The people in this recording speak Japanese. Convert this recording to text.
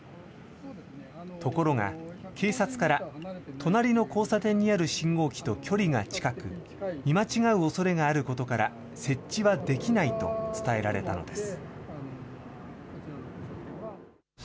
ところが、警察から、隣の交差点にある信号機と距離が近く、見間違うおそれがあることから、設置はできないと伝えられたのです。